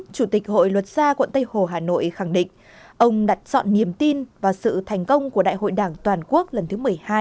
chủ tịch hội luật gia quận tây hồ hà nội khẳng định ông đặt chọn niềm tin vào sự thành công của đại hội đảng toàn quốc lần thứ một mươi hai